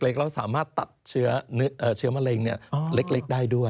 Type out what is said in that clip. เราสามารถตัดเชื้อมะเร็งเล็กได้ด้วย